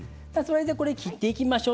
これを切っていきましょう。